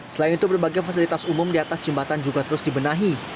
selain itu berbagai fasilitas umum di atas jembatan juga terus dibenahi